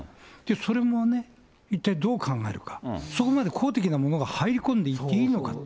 それも一体どう考えるか、そこまで公的なものが入り込んでいっていいのか。